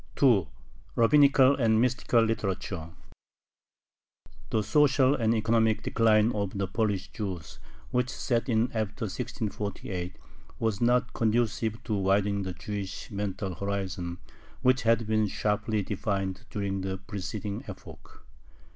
2. RABBINICAL AND MYSTICAL LITERATURE The social and economic decline of the Polish Jews, which set in after 1648, was not conducive to widening the Jewish mental horizon, which had been sharply defined during the preceding epoch.